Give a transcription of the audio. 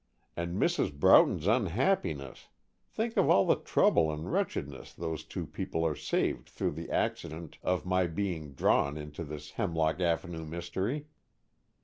And Mrs. Broughton's unhappiness, think of all the trouble and wretchedness those two people are saved through the accident of my being drawn into this Hemlock Avenue mystery!